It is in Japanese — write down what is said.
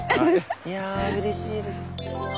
いやうれしいです。